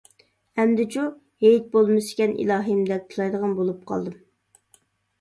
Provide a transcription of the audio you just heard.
ئەمدىچۇ؟ «ھېيت بولمىسىكەن، ئىلاھىم! » دەپ تىلەيدىغان بولۇپ قالدىم.